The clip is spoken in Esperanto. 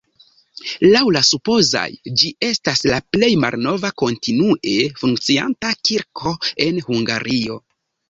Laŭ la supozoj ĝi estas la plej malnova kontinue funkcianta kirko en Hungario.